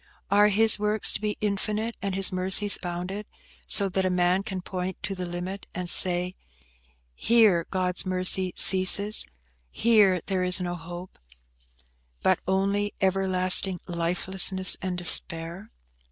Are His works to be infinite, and His mercies bounded, so that a man can point to the limit, and say, Here God's mercy ceases; here there is no hope–but only everlasting lifelessness and despair?